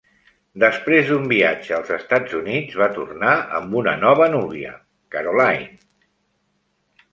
Després d'un viatge als Estats Units, va tornar amb una nova núvia, Caroline.